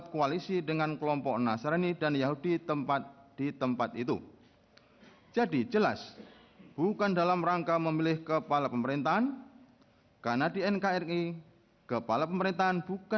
kepulauan seribu kepulauan seribu